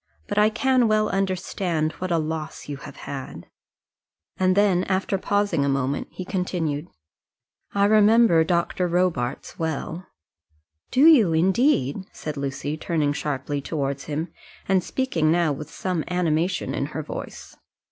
"But I can well understand what a loss you have had." And then, after pausing a moment, he continued, "I remember Dr. Robarts well." "Do you, indeed?" said Lucy, turning sharply towards him, and speaking now with some animation in her voice.